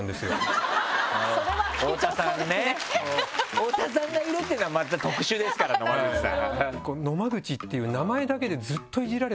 太田さんね太田さんがいるっていうのはまた特殊ですから野間口さん。